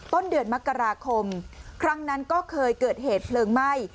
ต้นเดือนมกราคมครั้งนั้นก็เคยเกิดเหตุเพลิงไหม้